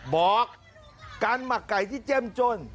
บอกการหมักไก่ที่เจ้มจ้น